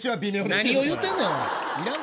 何を言うてんねん。